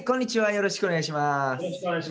よろしくお願いします。